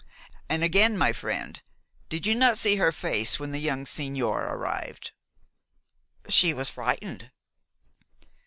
And again, my friend, did you not see her face when the young sigñor arrived?" "She was frightened."